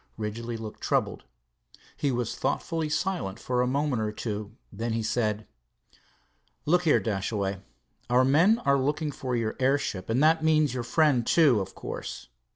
Ridgely looked troubled. He was thoughtfully, silent for a moment or two. Then he said: "Look here, Dashaway, our men are looking for your airship, and that means your friend, too, of course.